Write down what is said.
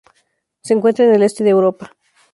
Se encuentra en el Este de Europa.